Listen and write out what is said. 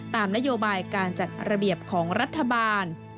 ตามนโยบายการจัดระเบียบของรัฐบาล